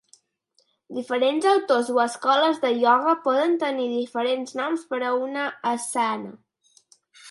Diferents autors o escoles de ioga poden tenir diferents noms per a una àssana.